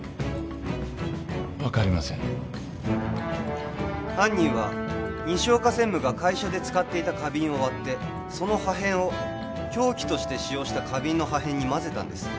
分かりません犯人は西岡専務が会社で使っていた花瓶を割ってその破片を凶器として使用した花瓶の破片にまぜたんです